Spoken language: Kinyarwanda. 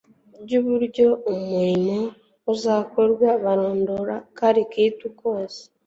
by'uburyo umurimo uzakorwa- barondora akaritu kose,